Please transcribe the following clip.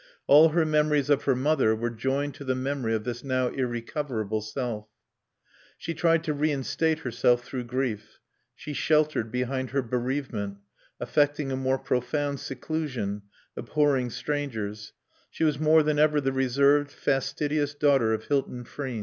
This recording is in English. All her memories of her mother were joined to the memory of this now irrecoverable self. She tried to reinstate herself through grief; she sheltered behind her bereavement, affecting a more profound seclusion, abhorring strangers; she was more than ever the reserved, fastidious daughter of Hilton Frean.